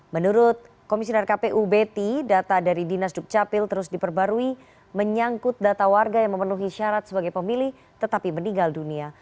menurut komisioner kpu betty data dari dinas dukcapil terus diperbarui menyangkut data warga yang memenuhi syarat sebagai pemilih tetapi meninggal dunia